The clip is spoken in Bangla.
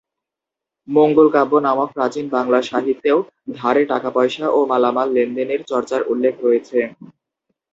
মঙ্গলকাব্য নামক প্রাচীন বাংলা সাহিত্যেও ধারে টাকাপয়সা ও মালামাল লেনদেনের চর্চার উল্লেখ রয়েছে।